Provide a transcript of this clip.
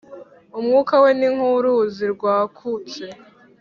Umwuka we ni nk’uruzi rwakutse,